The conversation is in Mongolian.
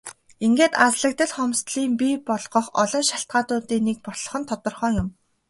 Ингээд алслагдал хомсдолыг бий болгох олон шалтгаануудын нэг болох нь тодорхой юм.